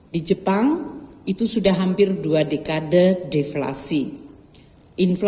di jepang itu sudah hampir dua dekade deflasi